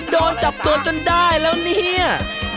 โดนจับตัวจนได้แล้วเนี่ย